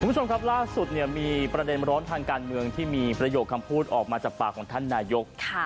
คุณผู้ชมครับล่าสุดเนี่ยมีประเด็นร้อนทางการเมืองที่มีประโยคคำพูดออกมาจากปากของท่านนายก